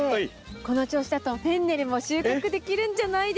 この調子だとフェンネルも収穫できるんじゃないですか？